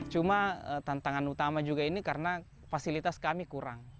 cuma tantangan utama juga ini karena fasilitas kami kurang